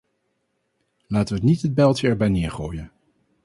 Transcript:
Laten we niet het bijltje erbij neergooien!